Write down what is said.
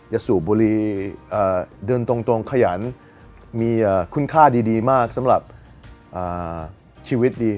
สูบบุรีเดินตรงขยันมีคุณค่าดีมากสำหรับชีวิตดี